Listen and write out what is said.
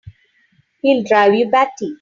He'll drive you batty!